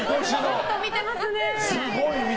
じっと見てますね。